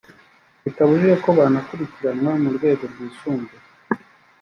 bitabujije ko banakurikiranwa mu rwegorwisumbuye